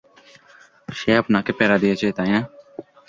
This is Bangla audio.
সে আপনাকে প্যারা দিয়েছে, তাই না?